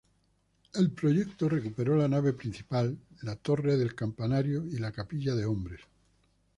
El proyecto recuperó la nave principal, la torre campanario y la capilla de hombres.